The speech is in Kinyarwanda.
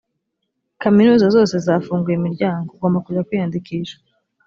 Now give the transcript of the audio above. kaminuza zose zafunguye imiryango ugomba kujya kwiyandikisha